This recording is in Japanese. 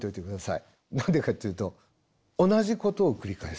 何でかっていうと同じことを繰り返す。